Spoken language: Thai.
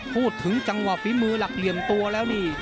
พูดถึงจังหวะฝีมือหลักเหลี่ยมตัวแล้วนี่